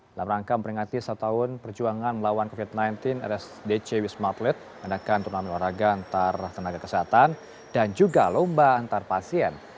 dalam rangka memperingati satu tahun perjuangan melawan covid sembilan belas rsdc wisma atlet mengadakan turnamen olahraga antar tenaga kesehatan dan juga lomba antar pasien